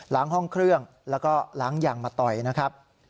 ห้องเครื่องแล้วก็ล้างยางมาต่อยนะครับ